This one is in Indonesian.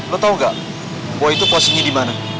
lo tau gak boy itu posisinya dimana